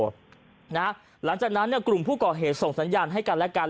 หลังจากนั้นกลุ่มผู้ก่อเหตุส่งสัญญาณให้กันและกัน